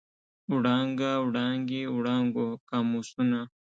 وړانګه، وړانګې، وړانګو، قاموسونه.